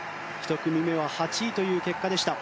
１組目は８位という結果でした。